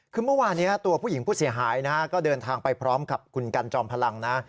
คือเมื่อวานนี้ตัวผู้หญิงผู้เสียหายนะฮะก็เดินทางไปพร้อมกับคุณกันจอมพลังนะ